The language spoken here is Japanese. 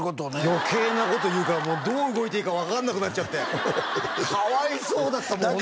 余計なこと言うからもうどう動いていいか分かんなくなっちゃってかわいそうだったもん